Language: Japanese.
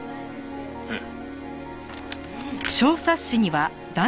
ええ。